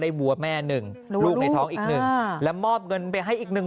วัวแม่หนึ่งลูกในท้องอีกหนึ่งแล้วมอบเงินไปให้อีกหนึ่ง